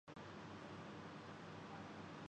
سارا معاملہ بتایا۔